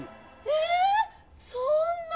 え⁉そんな！